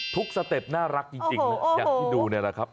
สเต็ปน่ารักจริงอย่างที่ดูเนี่ยนะครับ